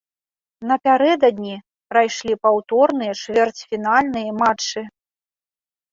Напярэдадні прайшлі паўторныя чвэрцьфінальныя матчы.